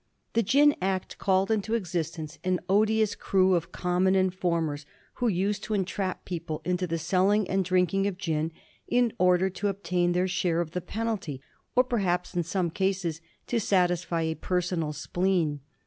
The Gin Act called into existence an odious crew of common informers who used to entrap people into the selling and drinking of gin in order to obtain their share of the penalty, or, perhaps, in some cases to satisfy a personal spleen.